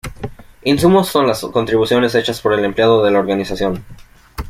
Insumos son las contribuciones hechas por el empleado de la organización.